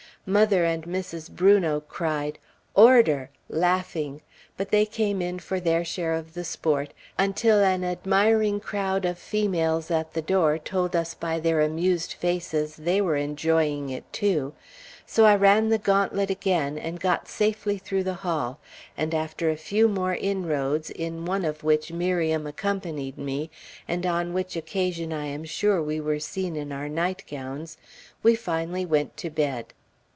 Mother and Mrs. Brunot cried, "Order," laughing, but they came in for their share of the sport, until an admiring crowd of females at the door told us by their amused faces they were enjoying it, too; so I ran the gauntlet again, and got safely through the hall, and after a few more inroads, in one of which Miriam accompanied me, and on which occasion I am sure we were seen in our nightgowns, we finally went to bed.